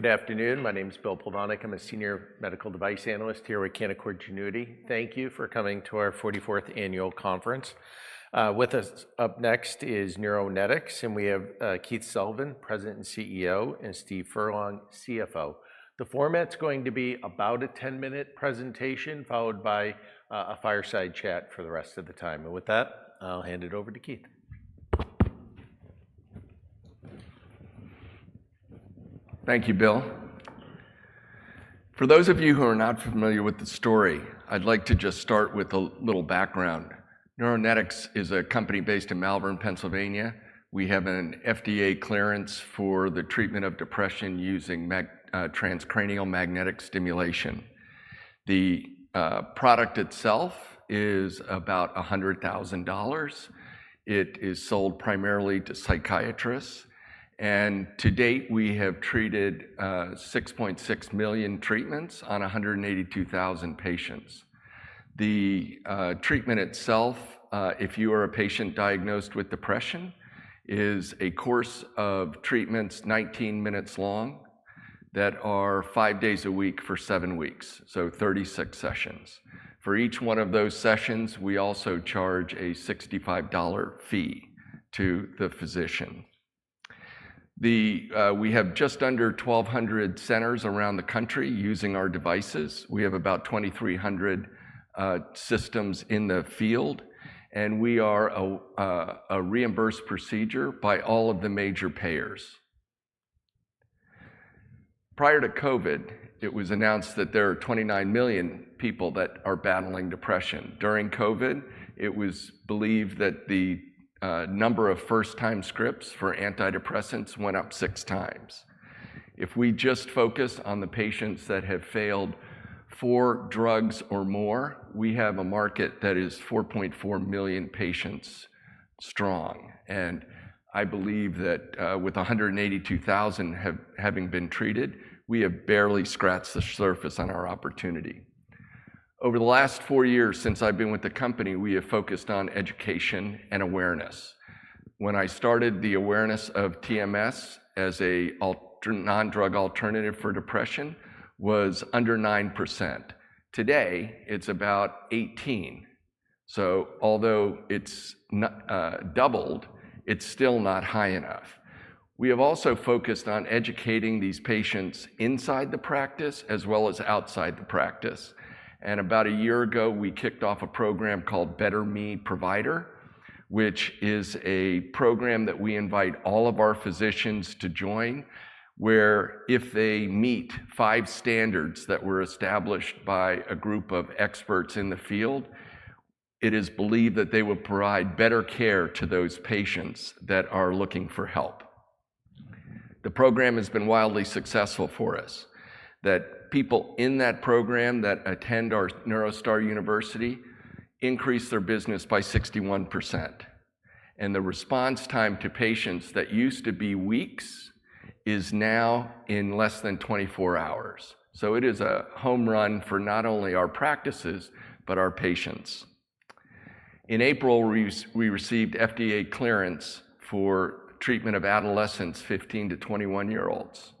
Good afternoon. My name is Will Plovanic. I'm a senior medical device analyst here with Canaccord Genuity. Thank you for coming to our 44th annual conference. With us up next is Neuronetics, and we have Keith Sullivan, president and CEO, and Steve Furlong, CFO. The format's going to be about a 10-minute presentation, followed by a fireside chat for the rest of the time. With that, I'll hand it over to Keith. Thank you, Will. For those of you who are not familiar with the story, I'd like to just start with a little background. Neuronetics is a company based in Malvern, Pennsylvania. We have an FDA clearance for the treatment of depression using transcranial magnetic stimulation. The product itself is about $100,000. It is sold primarily to psychiatrists, and to date, we have treated 6.6 million treatments on 182,000 patients. The treatment itself, if you are a patient diagnosed with depression, is a course of treatments 19 minutes long that are five days a week for seven weeks, so 36 sessions. For each one of those sessions, we also charge a $65 fee to the physician. We have just under 1,200 centers around the country using our devices. We have about 2,300 systems in the field, and we are a reimbursed procedure by all of the major payers. Prior to COVID, it was announced that there are 29 million people that are battling depression. During COVID, it was believed that the number of first-time scripts for antidepressants went up 6×. If we just focus on the patients that have failed four drugs or more, we have a market that is 4.4 million patients strong, and I believe that with 182,000 having been treated, we have barely scratched the surface on our opportunity. Over the last four years since I've been with the company, we have focused on education and awareness. When I started, the awareness of TMS as a non-drug alternative for depression was under 9%. Today, it's about 18, so although it's doubled, it's still not high enough. We have also focused on educating these patients inside the practice as well as outside the practice, and about a year ago, we kicked off a program called Better Me Provider, which is a program that we invite all of our physicians to join, where if they meet five standards that were established by a group of experts in the field, it is believed that they will provide better care to those patients that are looking for help. The program has been wildly successful for us, that people in that program that attend our NeuroStar University increase their business by 61%, and the response time to patients that used to be weeks is now in less than 24 hours. So it is a home run for not only our practices, but our patients. In April, we received FDA clearance for treatment of adolescents, 15-21 year-olds.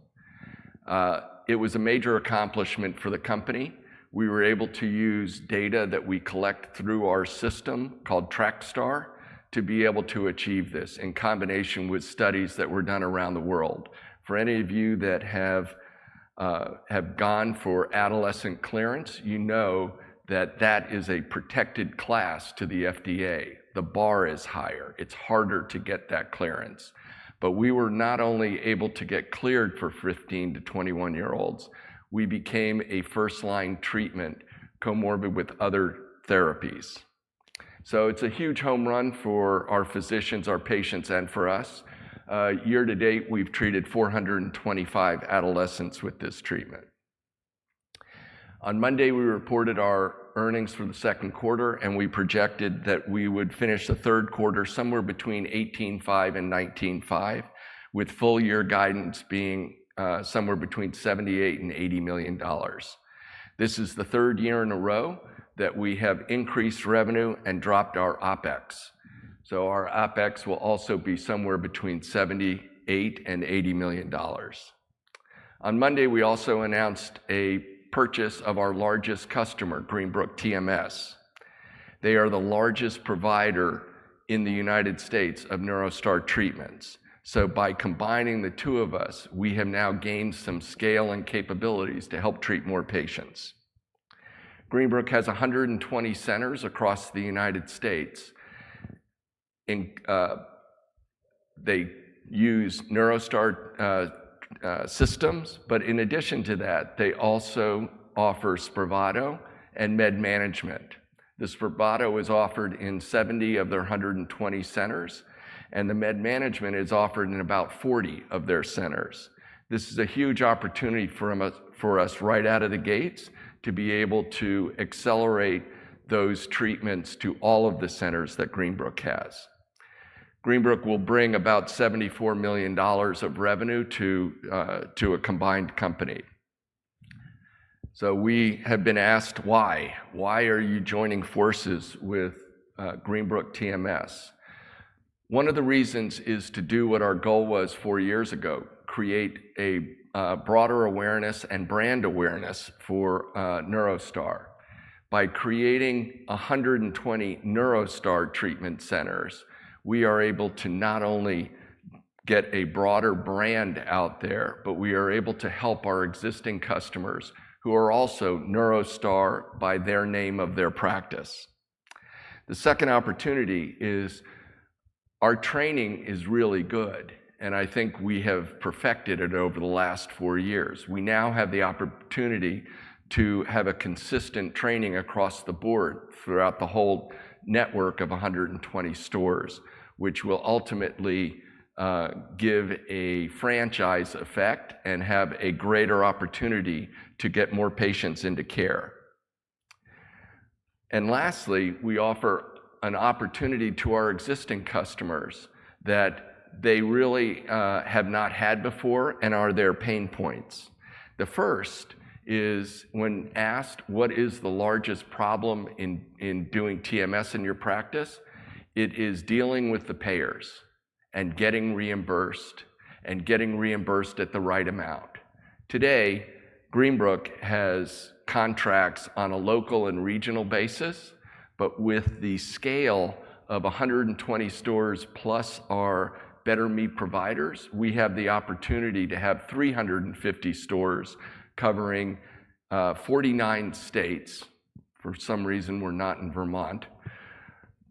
It was a major accomplishment for the company. We were able to use data that we collect through our system, called TrakStar, to be able to achieve this, in combination with studies that were done around the world. For any of you that have gone for adolescent clearance, you know that that is a protected class to the FDA. The bar is higher. It's harder to get that clearance, but we were not only able to get cleared for 15- to 21-year-olds, we became a first-line treatment, comorbid with other therapies. So it's a huge home run for our physicians, our patients, and for us. Year-to-date, we've treated 425 adolescents with this treatment. On Monday, we reported our earnings for the second quarter, and we projected that we would finish the third quarter somewhere between $18.5 million and $19.5 million, with full year guidance being somewhere between $78 million and $80 million. This is the third year in a row that we have increased revenue and dropped our OpEx. So our OpEx will also be somewhere between $78 million and $80 million. On Monday, we also announced a purchase of our largest customer, Greenbrook TMS. They are the largest provider in the United States of NeuroStar treatments, so by combining the two of us, we have now gained some scale and capabilities to help treat more patients. Greenbrook has 120 centers across the United States, they use NeuroStar systems, but in addition to that, they also offer Spravato and med management. The Spravato is offered in 70 of their 120 centers, and the med management is offered in about 40 of their centers. This is a huge opportunity from us, for us, right out of the gates to be able to accelerate those treatments to all of the centers that Greenbrook has. Greenbrook will bring about $74 million of revenue to a combined company. So we have been asked, "Why? Why are you joining forces with Greenbrook TMS?" One of the reasons is to do what our goal was four years ago: create a broader awareness and brand awareness for NeuroStar. By creating 120 NeuroStar treatment centers, we are able to not only get a broader brand out there, but we are able to help our existing customers, who are also NeuroStar, by their name of their practice. The second opportunity is, our training is really good, and I think we have perfected it over the last four years. We now have the opportunity to have a consistent training across the board throughout the whole network of 120 stores, which will ultimately give a franchise effect and have a greater opportunity to get more patients into care. Lastly, we offer an opportunity to our existing customers that they really have not had before and are their pain points. The first is when asked: "What is the largest problem in doing TMS in your practice?" It is dealing with the payers and getting reimbursed, and getting reimbursed at the right amount. Today, Greenbrook has contracts on a local and regional basis, but with the scale of 120 stores, plus our Better Me providers, we have the opportunity to have 350 stores covering 49 states. For some reason, we're not in Vermont.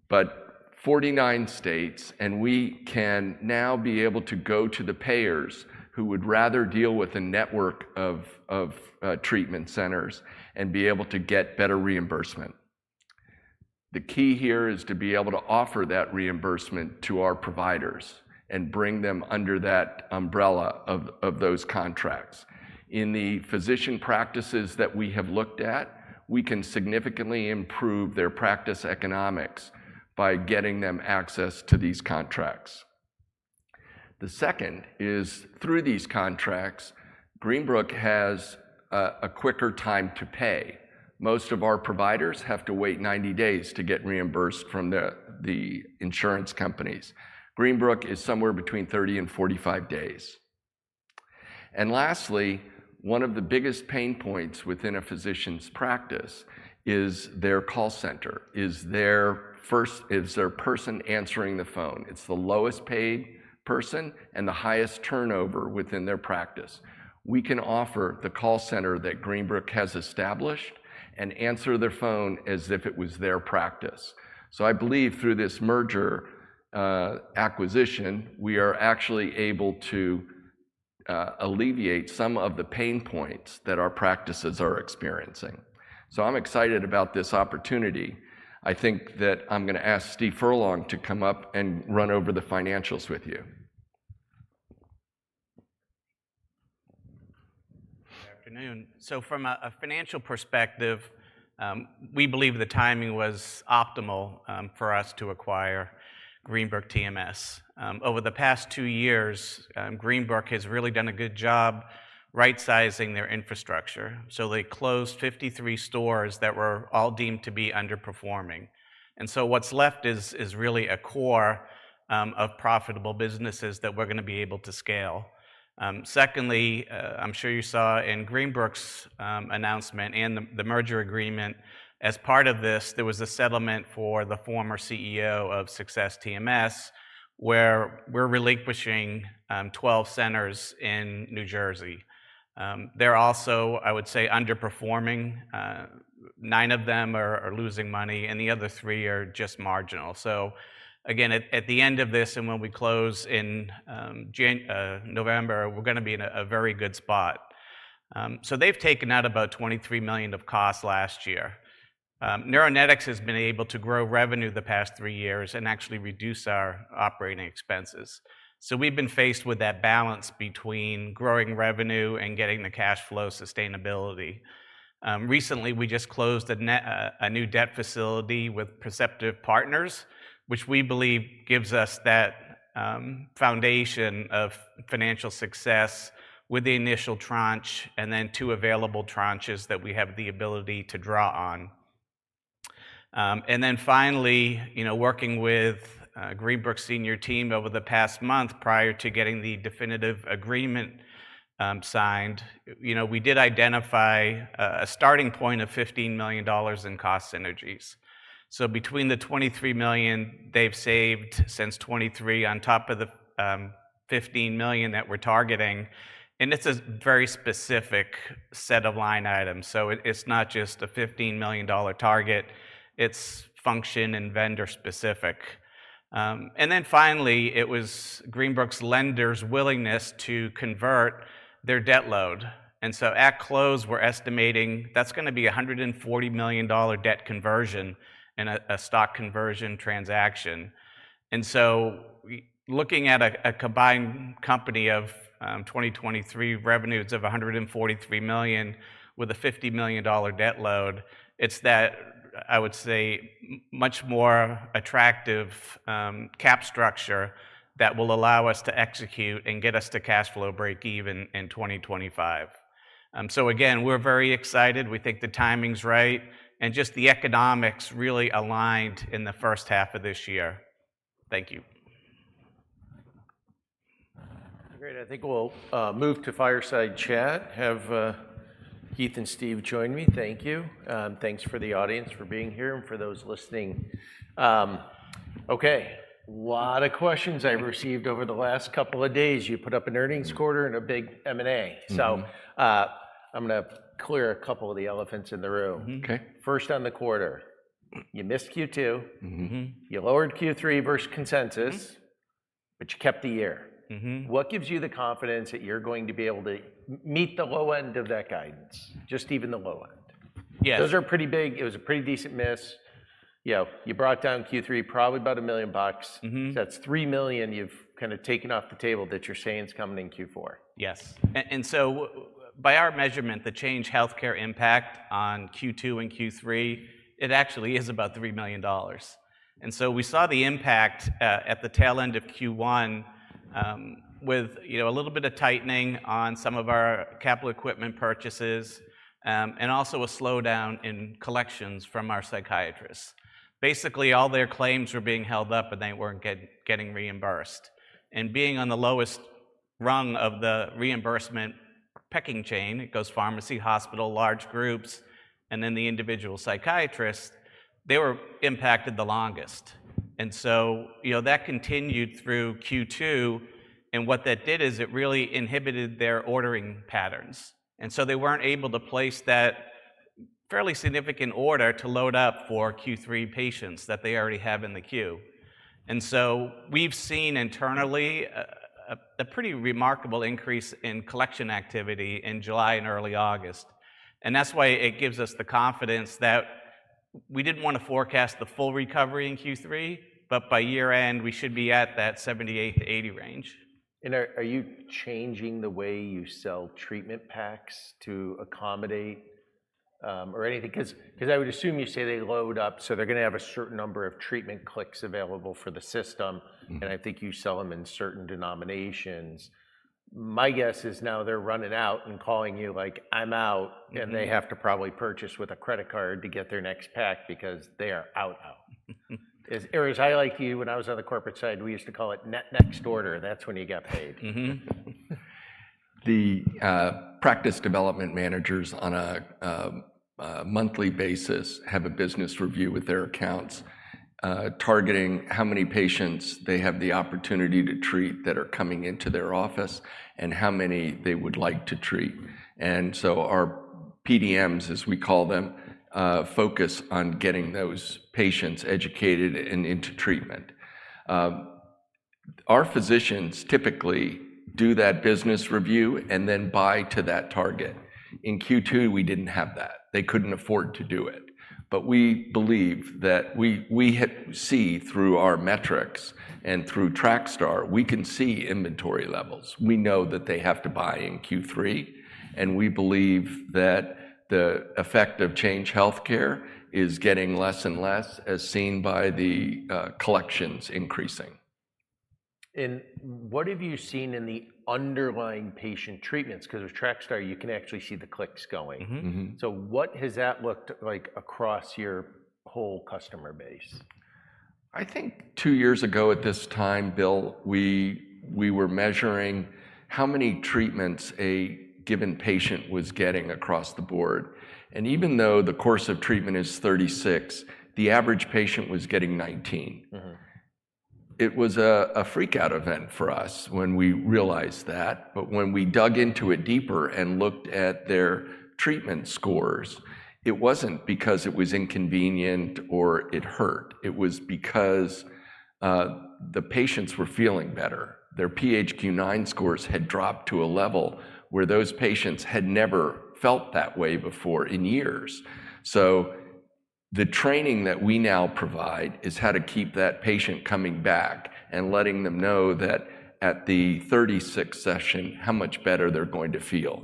But 49 states, and we can now be able to go to the payers who would rather deal with a network of treatment centers and be able to get better reimbursement. The key here is to be able to offer that reimbursement to our providers and bring them under that umbrella of those contracts. In the physician practices that we have looked at, we can significantly improve their practice economics by getting them access to these contracts. The second is, through these contracts, Greenbrook has a quicker time to pay. Most of our providers have to wait 90 days to get reimbursed from the insurance companies. Greenbrook is somewhere between 30 and 45 days. Lastly, one of the biggest pain points within a physician's practice is their call center, is their person answering the phone. It's the lowest-paid person and the highest turnover within their practice. We can offer the call center that Greenbrook has established and answer their phone as if it was their practice. So I believe through this merger, acquisition, we are actually able to alleviate some of the pain points that our practices are experiencing. So I'm excited about this opportunity. I think that I'm gonna ask Steve Furlong to come up and run over the financials with you. Good afternoon. So from a financial perspective, we believe the timing was optimal for us to acquire Greenbrook TMS. Over the past two years, Greenbrook has really done a good job right-sizing their infrastructure. So they closed 53 stores that were all deemed to be underperforming, and so what's left is really a core of profitable businesses that we're gonna be able to scale. Secondly, I'm sure you saw in Greenbrook's announcement and the merger agreement, as part of this, there was a settlement for the former CEO of Success TMS, where we're relinquishing 12 centers in New Jersey. They're also, I would say, underperforming. Nine of them are losing money, and the other three are just marginal. So again, at the end of this, and when we close in November, we're gonna be in a very good spot. So they've taken out about $23 million of costs last year. Neuronetics has been able to grow revenue the past three years and actually reduce our operating expenses. So we've been faced with that balance between growing revenue and getting the cash flow sustainability. Recently, we just closed a new debt facility with Perceptive Advisors, which we believe gives us that foundation of financial success with the initial tranche, and then two available tranches that we have the ability to draw on. Then finally, you know, working with Greenbrook's senior team over the past month prior to getting the definitive agreement signed, you know, we did identify a starting point of $15 million in cost synergies. So between the $23 million they've saved since 2023, on top of the $15 million that we're targeting, and it's a very specific set of line items, so it's not just a $15 million dollar target; it's function and vendor specific. Then finally, it was Greenbrook's lenders' willingness to convert their debt load and so at close, we're estimating that's gonna be a $140 million dollar debt conversion in a stock conversion transaction. So looking at a combined company of 2023 revenues of $143 million, with a $50 million dollar debt load, it's that, I would say, much more attractive cap structure that will allow us to execute and get us to cash flow breakeven in 2025. So again, we're very excited. We think the timing's right, and just the economics really aligned in the first half of this year. Thank you. Great. I think we'll move to fireside chat. Have Keith and Steve join me. Thank you, and thanks for the audience for being here, and for those listening. Okay, lot of questions I received over the last couple of days. You put up an earnings quarter and a big M&A. So, I'm gonna clear a couple of the elephants in the room. Okay. First on the quarter, you missed Q2. You lowered Q3 versus consensus but you kept the year. What gives you the confidence that you're going to be able to meet the low end of that guidance? Just even the low end. Those are pretty big... It was a pretty decent miss. You know, you brought down Q3 probably about $1 million. That's $3 million you've kind of taken off the table that you're saying is coming in Q4. Yes, snd so by our measurement, the Change Healthcare impact on Q2 and Q3, it actually is about $3 million, and so we saw the impact at the tail end of Q1, with, you know, a little bit of tightening on some of our capital equipment purchases, and also a slowdown in collections from our psychiatrists. Basically, all their claims were being held up, and they weren't getting reimbursed, and being on the lowest rung of the reimbursement pecking chain, it goes pharmacy, hospital, large groups, and then the individual psychiatrist, they were impacted the longest. So, you know, that continued through Q2, and what that did is it really inhibited their ordering patterns, and so they weren't able to place that fairly significant order to load up for Q3 patients that they already have in the queue. So we've seen internally a pretty remarkable increase in collection activity in July and early August, and that's why it gives us the confidence that we didn't want to forecast the full recovery in Q3, but by year-end, we should be at that 78-80 range. Are you changing the way you sell treatment packs to accommodate, or anything? 'Cause I would assume you say they load up, so they're gonna have a certain number of treatment clicks available for the system, I think you sell them in certain denominations. My guess is now they're running out and calling you like, "I'm out and they have to probably purchase with a credit card to get their next pack because they are out, out. As analysts like you, when I was on the corporate side, we used to call it net next order. That's when you get paid. Practice development managers on a monthly basis have a business review with their accounts, targeting how many patients they have the opportunity to treat that are coming into their office and how many they would like to treat. So our PDMs, as we call them, focus on getting those patients educated and into treatment. Our physicians typically do that business review and then buy to that target. In Q2, we didn't have that. They couldn't afford to do it, but we believe that we see through our metrics and through TrakStar, we can see inventory levels. We know that they have to buy in Q3, and we believe that the effect of Change Healthcare is getting less and less, as seen by the collections increasing. What have you seen in the underlying patient treatments beause with TrakStar, you can actually see the clicks going? So what has that looked like across your whole customer base? I think two years ago at this time, Will, we were measuring how many treatments a given patient was getting across the board, and even though the course of treatment is 36, the average patient was getting 19. It was a freak out event for us when we realized that, but when we dug into it deeper and looked at their treatment scores, it wasn't because it was inconvenient or it hurt. It was because the patients were feeling better. Their PHQ-9 scores had dropped to a level where those patients had never felt that way before in years. So the training that we now provide is how to keep that patient coming back and letting them know that at the 36th session, how much better they're going to feel.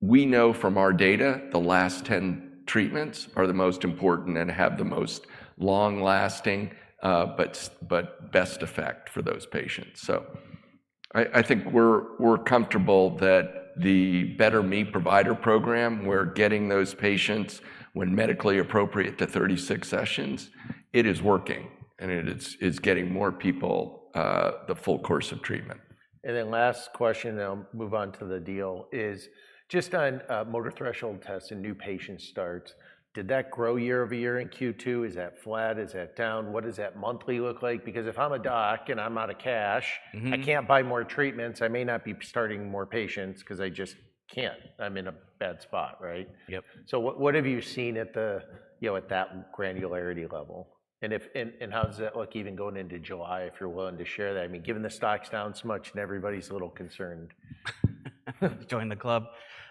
We know from our data, the last 10 treatments are the most important and have the most long-lasting, but best effect for those patients. So I think we're comfortable that the Better Me Provider Program, we're getting those patients, when medically appropriate, the 36 sessions. It is working, and it is, it's getting more people, the full course of treatment. Then last question, and I'll move on to the deal, is just on motor threshold tests and new patient starts, did that grow year-over-year in Q2? Is that flat? Is that down? What does that monthly look like because if I'm a doc and I'm out of cash I can't buy more treatments, I may not be starting more patients, 'cause I just can't. I'm in a bad spot, right? Yep. So what have you seen at the, you know, at that granularity level and how does that look even going into July, if you're willing to share that? I mean, given the stock's down so much and everybody's a little concerned. Join the club.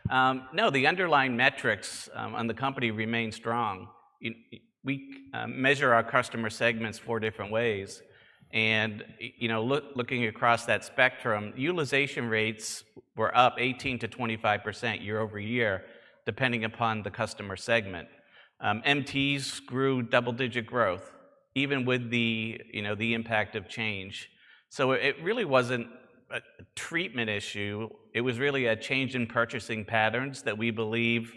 No, the underlying metrics on the company remain strong. We measure our customer segments four different ways and, you know, looking across that spectrum, utilization rates were up 18%-25% year-over-year, depending upon the customer segment. MTs grew double-digit growth even with the, you know, the impact of Change. So it really wasn't a treatment issue, it was really a change in purchasing patterns that we believe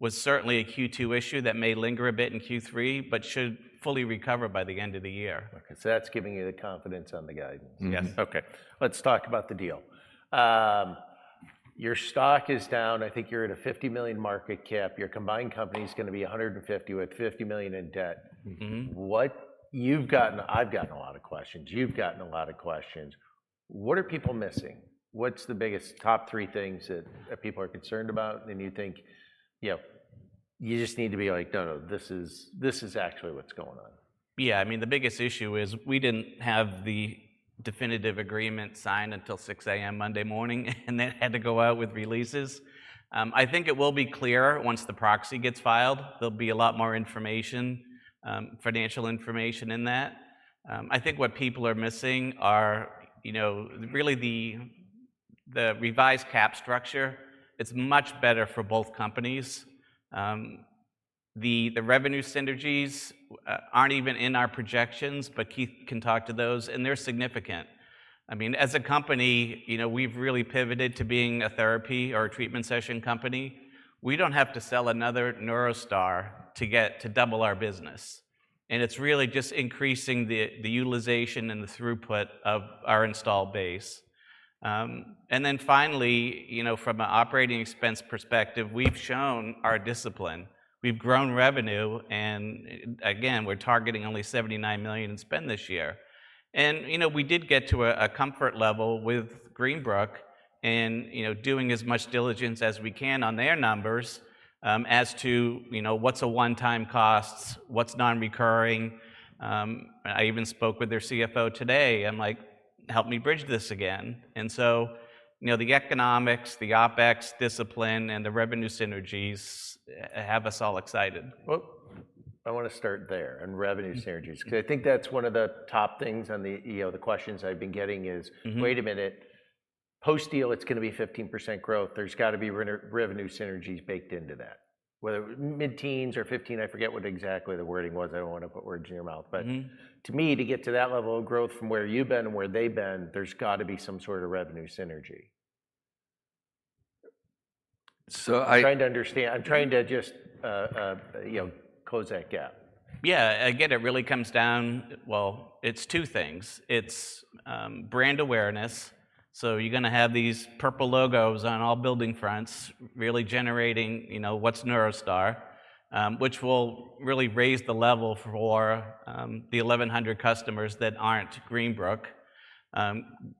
was certainly a Q2 issue that may linger a bit in Q3, but should fully recover by the end of the year. Okay, so that's giving you the confidence on the guidance? Yes, okay. Let's talk about the deal. Your stock is down, I think you're at a $50 million market cap. Your combined company's gonna be $150 million, with $50 million in debt. You've gotten, I've gotten a lot of questions. You've gotten a lot of questions. What are people missing? What's the biggest top three things that people are concerned about, and you think, you know, you just need to be like, "No, no, this is, this is actually what's going on"? Yeah, I mean, the biggest issue is we didn't have the definitive agreement signed until 6:00 A.M. Monday morning, and then had to go out with releases. I think it will be clearer once the proxy gets filed. There'll be a lot more information, financial information in that. I think what people are missing are, you know, really the, the revised cap structure. It's much better for both companies. The, the revenue synergies aren't even in our projections, but Keith can talk to those, and they're significant. I mean, as a company, you know, we've really pivoted to being a therapy or a treatment session company. We don't have to sell another NeuroStar to get to double our business, and it's really just increasing the, the utilization and the throughput of our install base. Then finally, you know, from an operating expense perspective, we've shown our discipline. We've grown revenue, and, again, we're targeting only $79 million in spend this year and, you know, we did get to a comfort level with Greenbrook and, you know, doing as much diligence as we can on their numbers, as to, you know, what's one-time costs, what's non-recurring. I even spoke with their CFO today. I'm like, "Help me bridge this again." So, you know, the economics, the OpEx discipline, and the revenue synergies have us all excited. Well, I wanna start there on revenue synergies because I think that's one of the top things on the, you know, the questions I've been getting is wait a minute, post-deal it's gonna be 15% growth, there's gotta be revenue synergies baked into that. Whether mid-teens or 15, I forget what exactly the wording was, I don't wanna put words in your mouth, but to me, to get to that level of growth from where you've been and where they've been, there's gotta be some sort of revenue synergy. So trying to understand, I'm trying to just, you know, close that gap. Yeah, again, it really comes down. Well, it's two things. It's brand awareness, so you're gonna have these purple logos on all building fronts, really generating, you know, what's NeuroStar? Which will really raise the level for the 1,100 customers that aren't Greenbrook.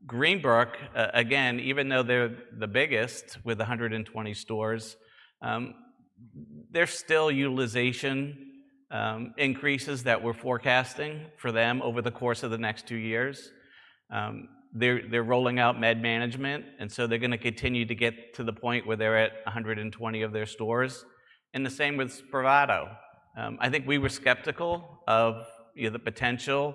Greenbrook, again, even though they're the biggest with 120 stores, there's still utilization increases that we're forecasting for them over the course of the next two years. They're rolling out med management, and so they're gonna continue to get to the point where they're at 120 of their stores, and the same with Spravato. I think we were skeptical of, you know, the potential.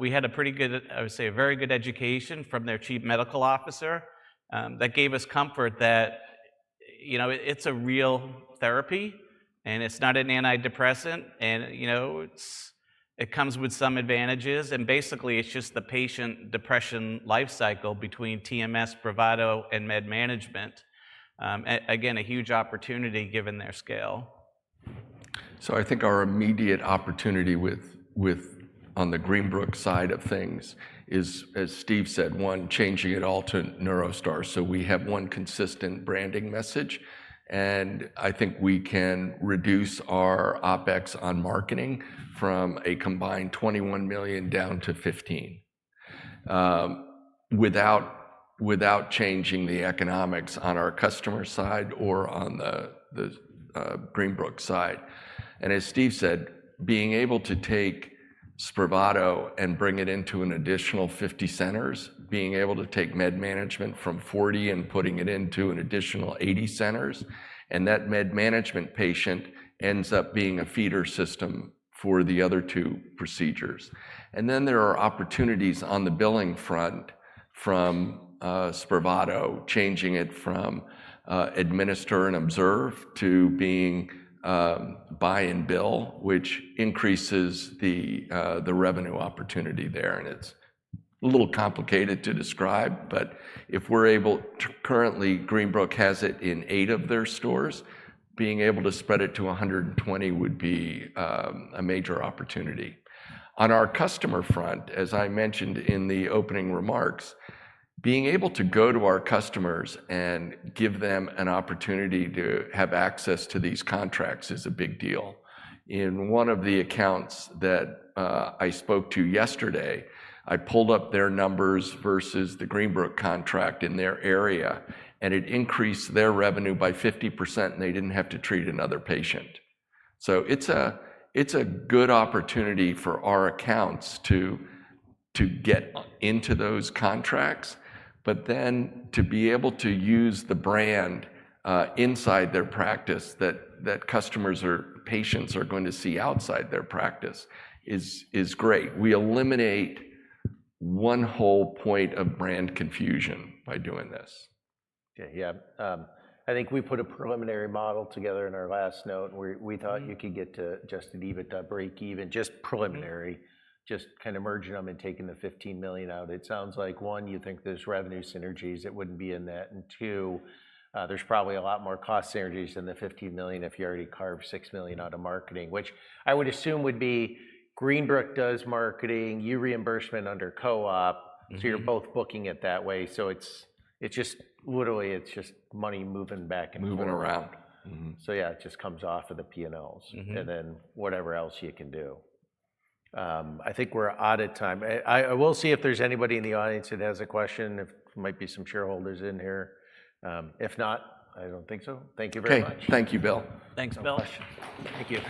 We had a pretty good, I would say a very good education from their chief medical officer. That gave us comfort that, you know, it's a real therapy, and it's not an antidepressant, and, you know, it comes with some advantages, and basically it's just the patient depression life cycle between TMS, Spravato, and med management. Again, a huge opportunity given their scale. So I think our immediate opportunity on the Greenbrook side of things is, as Steve said, one, changing it all to NeuroStar, so we have one consistent branding message and I think we can reduce our OpEx on marketing from a combined $21 million down to $15 million without changing the economics on our customer side or on the Greenbrook side. As Steve said, being able to take Spravato and bring it into an additional 50 centers, being able to take med management from 40 and putting it into an additional 80 centers, and that med management patient ends up being a feeder system for the other two procedures. Then there are opportunities on the billing front from Spravato, changing it from administer and observe to being buy and bill, which increases the revenue opportunity there, and it's a little complicated to describe, currently, Greenbrook has it in eight of their stores. Being able to spread it to 120 would be a major opportunity. On our customer front, as I mentioned in the opening remarks, being able to go to our customers and give them an opportunity to have access to these contracts is a big deal. In one of the accounts that I spoke to yesterday, I pulled up their numbers versus the Greenbrook contract in their area, and it increased their revenue by 50%, and they didn't have to treat another patient. So it's a good opportunity for our accounts to get into those contracts, but then to be able to use the brand inside their practice that customers or patients are going to see outside their practice is great. We eliminate one whole point of brand confusion by doing this. Okay, yeah. I think we put a preliminary model together in our last note, and we thought you could get to just an EBITDA breakeven, just preliminary just kind of merging them and taking the $15 million out. It sounds like, one, you think there's revenue synergies that wouldn't be in that, and two, there's probably a lot more cost synergies than the $15 million if you already carved $6 million out of marketing, which I would assume would be Greenbrook does marketing, you reimbursement under co-op, so you're both booking it that way. So it's, it's just, literally, it's just money moving back and forth. Moving around. So yeah, it just comes off of the P&Ls and then whatever else you can do. I think we're out of time. I will see if there's anybody in the audience that has a question if there might be some shareholders in here. If not, I don't think so. Thank you very much. Okay, thank you, Will. Thanks, will. No question. Thank you.